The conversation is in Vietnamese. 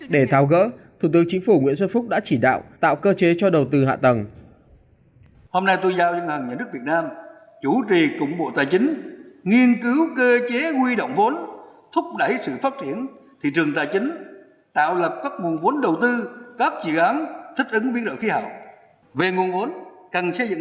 để thao gỡ thủ tướng chính phủ nguyễn xuân phúc đã chỉ đạo tạo cơ chế cho đầu tư hạ tầng